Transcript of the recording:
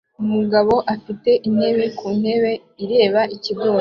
Umugabo afite intebe ku ntebe ireba ikigobe